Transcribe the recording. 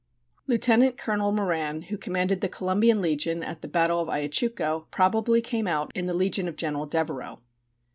Lieutenant Colonel Moran, who commanded the Colombian legion at the battle of Ayachucho, probably came out in the legion of General Devereux.